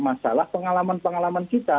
masalah pengalaman pengalaman kita